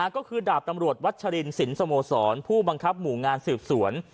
ก็คือดาบตำรวจวัชรินสินสโมสรผู้บังคับหมู่งานสืบสวน